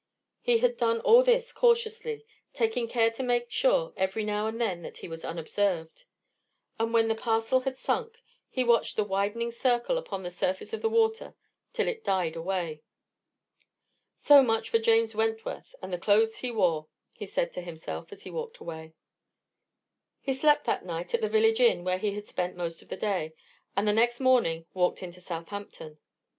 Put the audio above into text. He had done all this cautiously, taking care to make sure every now and then that he was unobserved. And when the parcel had sunk, he watched the widening circle upon the surface of the water till it died away. "So much for James Wentworth, and the clothes he wore," he said to himself as he walked away. He slept that night at the village inn where he had spent the day, and the next morning walked into Southampton.